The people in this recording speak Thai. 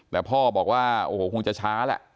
แต่พ่อบอกว่าโอ้โหคงจะช้าแหละ